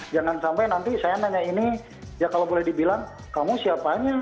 jangan sampai nanti saya nanya ini ya kalau boleh dibilang kamu siapanya